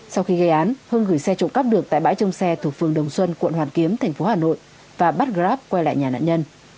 sau khi gây án hưng gửi xe trộm cắp được tại bãi trông xe thuộc phường đồng xuân quận hoàn kiếm thành phố hà nội và bắt grab quay lại nhà nạn nhân